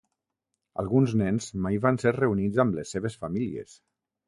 Alguns nens mai van ser reunits amb les seves famílies.